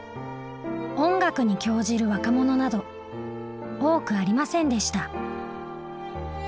音楽に興じる若者など多くありませんでした。